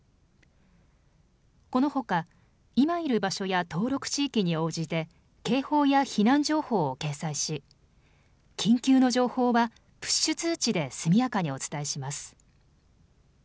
このほか、今いる場所や登録地域に応じて警報や避難情報を掲載し緊急の情報はプッシュ通知で速やかにお伝えします。